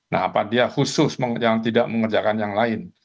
nah apa dia khusus yang tidak mengerjakan yang lain